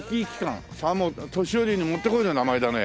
さも年寄りにもってこいの名前だね